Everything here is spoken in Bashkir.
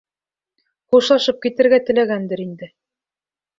Хушлашып китергә теләгәндер инде.